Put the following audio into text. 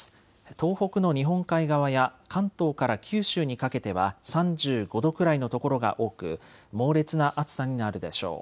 東北の日本海側や関東から九州にかけては３５度くらいの所が多く猛烈な暑さになるでしょう。